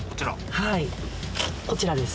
はいこちらです。